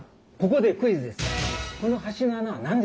ここでクイズです。